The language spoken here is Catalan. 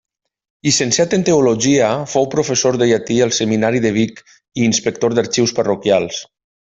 Llicenciat en teologia, fou professor de llatí al seminari de Vic i inspector d'arxius parroquials.